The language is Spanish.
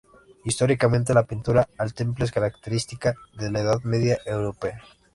Históricamente, la pintura al temple es característica de la Edad Media europea.